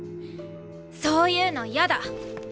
そういうの嫌だ。